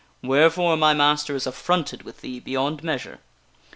Wherefore my master is affronted with thee beyond measure.